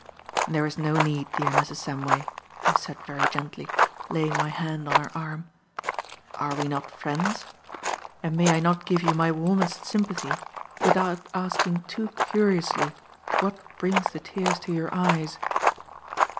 "There is no need, dear Mrs. Samway," I said very gently, laying my hand on her arm. "Are we not friends? And may I not give you my warmest sympathy without asking too curiously what brings the tears to your eyes?"